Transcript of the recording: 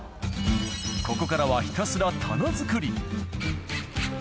ここからはひたすら棚作り。